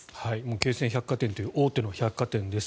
京成百貨店という大手の百貨店です。